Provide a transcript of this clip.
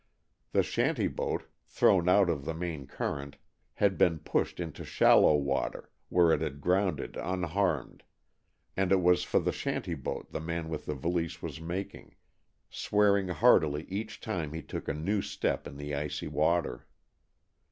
The shanty boat, thrown out of the main current, had been pushed into shallow water, where it had grounded unharmed, and it was for the shanty boat the man with the valise was making, swearing heartily each time he took a new step in the icy water.